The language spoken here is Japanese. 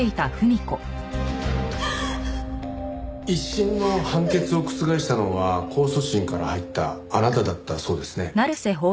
一審の判決を覆したのは控訴審から入ったあなただったそうですね。